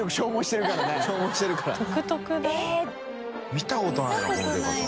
見たことないなこのでかさ。